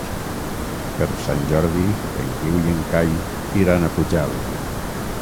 Per Sant Jordi en Guiu i en Cai iran a Pujalt.